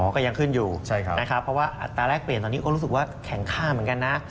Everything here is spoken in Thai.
ก็ยังขึ้นอยู่นะครับเพราะว่าอัตราแรกเปลี่ยนตอนนี้ก็รู้สึกว่าแข็งค่าเหมือนกันนะ